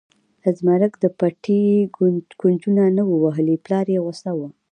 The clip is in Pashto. زمرک د پټي کونجونه نه و وهلي پلار یې غوسه و.